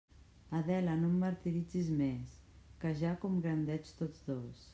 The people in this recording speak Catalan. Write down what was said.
Adela, no em martiritzis més que ja com grandets tots dos!